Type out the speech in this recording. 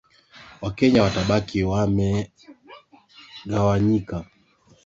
wakenya watabaki wame aa wamegawanyika